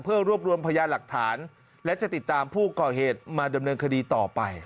เพื่อรวบรวมพยานหลักฐานและจะติดตามผู้ก่อเหตุมาดำเนินคดีต่อไป